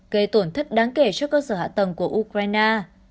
gây tổn thất đáng kể cho cơ sở hạ tầng của ukraine